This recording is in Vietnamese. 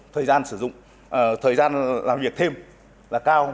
thời gian làm việc thêm là cao